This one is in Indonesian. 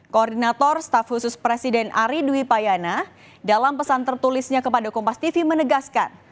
koordinator staf khusus presiden ari dwi payana dalam pesan tertulisnya kepada kompas tv menegaskan